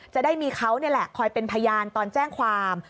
จะได้มีเขานี่แหละคอยเป็นพยานตอนแจ้งความ